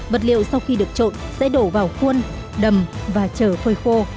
vật liệu sau khi được trộn sẽ đổ vào khuôn đầm và chở phơi khô